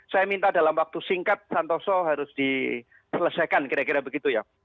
saya minta dalam waktu singkat santoso harus diselesaikan kira kira begitu ya